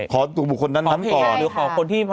ขอบุคคลนั้นน้ำก่อนหรือขอคนที่